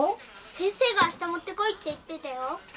先生があした持ってこいって言ってたよ。